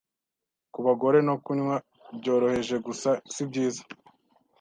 Ku bagore, no kunywa byoroheje gusa sibyiza